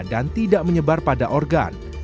dan tidak menyebar pada organ